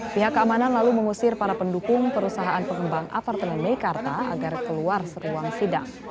pihak keamanan lalu mengusir para pendukung perusahaan pengembang apartemen meikarta agar keluar seruang sidang